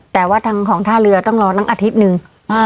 แต่ว่าทางของท่าเรือต้องรอตั้งอาทิตย์หนึ่ง